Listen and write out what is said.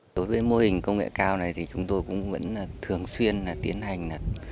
đối với mô hình công nghệ cao này thì chúng tôi cũng vẫn thường xuyên tiến hành